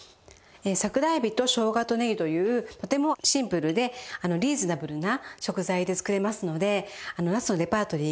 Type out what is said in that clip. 桜海老としょうがとねぎというとてもシンプルでリーズナブルな食材で作れますのでなすのレパートリー